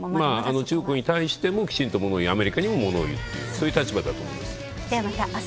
中国に対してもきちんとものを言う、アメリカにもものをいう、そういう立場だと思います。